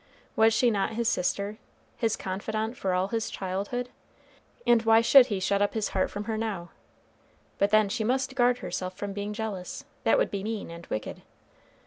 Was she not his sister? his confidant for all his childhood? and why should he shut up his heart from her now? But then she must guard herself from being jealous, that would be mean and wicked.